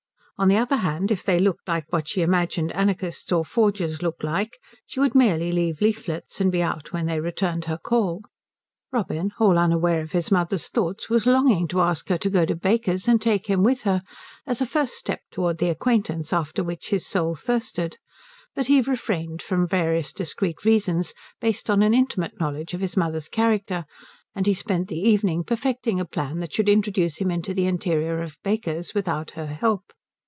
On the other hand, if they looked like what she imagined anarchists or forgers look like, she would merely leave leaflets and be out when they returned her call. Robin, all unaware of his mother's thoughts, was longing to ask her to go to Baker's and take him with her as a first step towards the acquaintance after which his soul thirsted, but he refrained for various discreet reasons based on an intimate knowledge of his mother's character; and he spent the evening perfecting a plan that should introduce him into the interior of Baker's without her help.